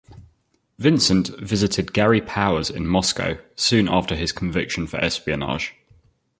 Vincent visited Gary Powers in Moscow soon after his conviction for espionage.